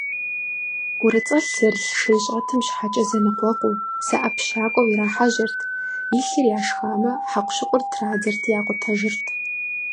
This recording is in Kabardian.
ӀурыцӀэлъ зэрылъ шейщӀэтым щхьэкӀэ зэныкъуэкъуу, зэӀэпщакӀуэу ирахьэжьэрт, илъыр яшхамэ, хьэкъущыкъур традзэрти якъутэжырт.